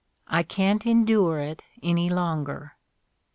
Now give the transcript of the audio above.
I can't endure it any longer."